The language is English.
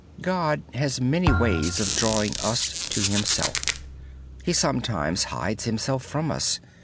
God has many ways of drawing us to Himself. He sometimes seems to hide Himself from us.